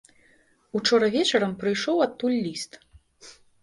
Учора вечарам прыйшоў адтуль ліст.